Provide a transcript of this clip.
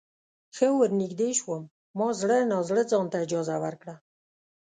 ښه ورنږدې شوم ما زړه نا زړه ځانته اجازه ورکړه.